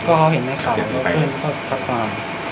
ก็เห็นแม่ข่าวพักมา